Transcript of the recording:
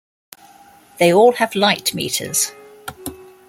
They all have light meters.